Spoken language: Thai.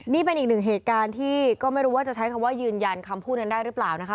นี่เป็นอีกหนึ่งเหตุการณ์ที่ก็ไม่รู้ว่าจะใช้คำว่ายืนยันคำพูดนั้นได้หรือเปล่านะคะ